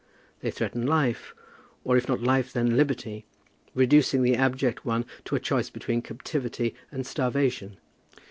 They threaten life, or, if not life, then liberty, reducing the abject one to a choice between captivity and starvation.